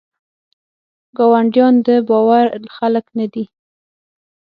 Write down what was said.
ګاونډیان دباور خلګ نه دي.